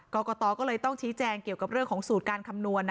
กรกตก็เลยต้องชี้แจงเกี่ยวกับเรื่องของสูตรการคำนวณ